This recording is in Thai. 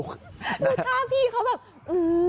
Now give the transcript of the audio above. ดูท่าพี่เขาแบบอื้อ